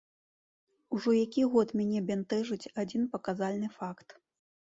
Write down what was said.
Ужо які год мяне бянтэжыць адзін паказальны факт.